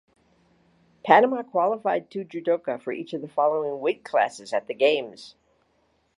Panama qualified two judoka for each of the following weight classes at the Games.